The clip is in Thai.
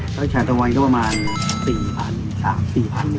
ถ้าขายต่อวันก็ประมาณ๔๐๐๐๔๐๐๐บาท